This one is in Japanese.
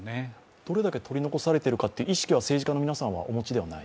どれだけ取り残されているかという意識は政治家の皆さんはお分かりではない？